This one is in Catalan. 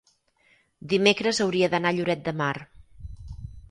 dimecres hauria d'anar a Lloret de Mar.